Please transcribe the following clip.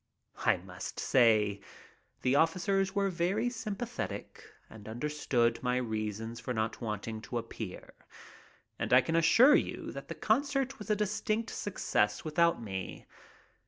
I must say the officers were very sympathetic and understood my reasons for not wanting to appear, and I can assure you that the concert was a distinct success without me.